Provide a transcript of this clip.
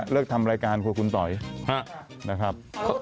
ทำรายการครัวคุณต๋อยนะครับ